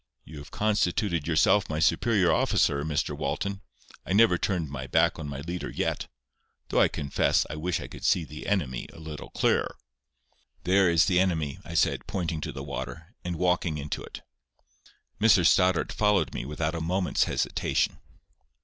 "You have constituted yourself my superior officer, Mr Walton. I never turned my back on my leader yet. Though I confess I wish I could see the enemy a little clearer." "There is the enemy," I said, pointing to the water, and walking into it. Mr Stoddart followed me without a moment's hesitation.